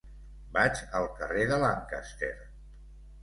Vaig al carrer de Lancaster.